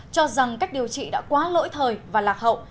cho rằng cách điều trị đã quá lỗi thời và lạc hậu